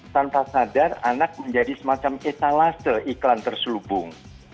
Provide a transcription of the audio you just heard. tanpa sadar anak menjadi semacam etalase iklan terselubung